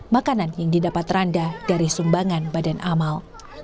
makanan yang didapat randa dari sumbangan badan amal